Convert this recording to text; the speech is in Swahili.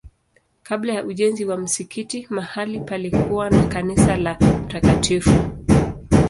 Kabla ya ujenzi wa msikiti mahali palikuwa na kanisa la Mt.